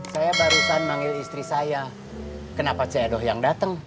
saya barusan manggil istri saya kenapa c edo yang dateng